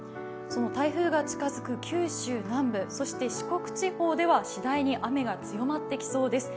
台風が近づく九州南部、そして四国地方では次第に雨が強まってきそうです。